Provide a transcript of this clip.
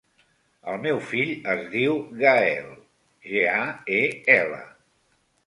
El meu fill es diu Gael: ge, a, e, ela.